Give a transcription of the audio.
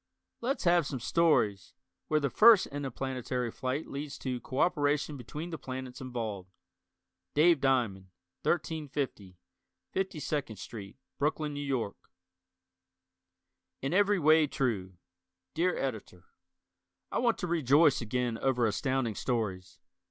Let's have some stories, where the first interplanetary flight leads to cooperation between the planets involved. Dave Diamond, 1350 52nd St., Brooklyn, N. Y. In Every Way, True Dear Editor: I want to rejoice again over Astounding Stories.